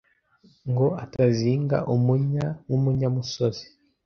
ngo atazinga umunya nk'umunyamusozi